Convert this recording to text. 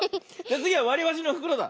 つぎはわりばしのふくろだ。